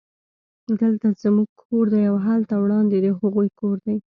دلته زموږ کور دی او هلته وړاندې د هغوی کور دی